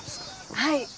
はい。